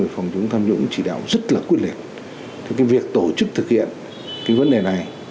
về phòng chống tham nhũng chỉ đạo rất là quyết liệt cái việc tổ chức thực hiện cái vấn đề này